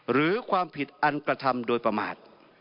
หรือความผิดอันกระทำโดยประมาท